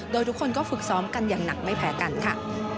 โดยทุกคนก็ฝึกซ้อมกันอย่างหนักไม่แพ้กันค่ะ